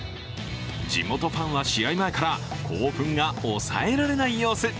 地元ファンは試合前から興奮が抑えられない様子。